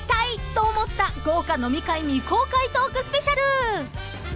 豪華飲み会未公開トークスペシャル］